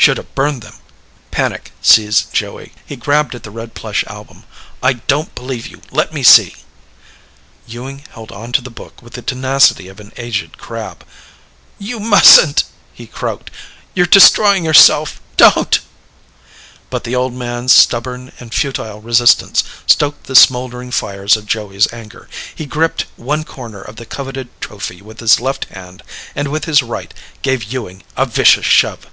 Should have burned them." Panic seized Joey. He grabbed at the red plush album. "I don't believe you. Let me see." Ewing held onto the book with the tenacity of an aged crab. "You mustn't," he croaked. "You're destroying yourself. Don't." But the old man's stubborn and futile resistance stoked the smouldering fires of Joey's anger. He gripped one corner of the coveted trophy with his left hand, and with his right, gave Ewing a vicious shove.